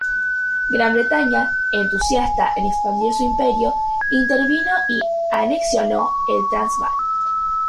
Gran Bretaña, entusiasta en expandir su imperio, intervino y anexionó el Transvaal.